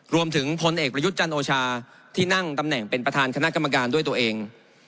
พลเอกประยุทธ์จันโอชาที่นั่งตำแหน่งเป็นประธานคณะกรรมการด้วยตัวเอง